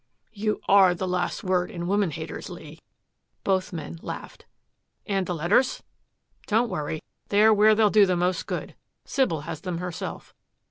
"You ARE the last word in woman haters, Lee." Both men laughed. "And the letters?" "Don't worry. They are where they'll do the most good. Sybil has them herself.